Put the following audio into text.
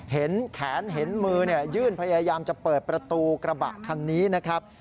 เห็นแขนเห็นมือยื่นพยายามจะเปิดประตูกระบะคันนี้นะครับ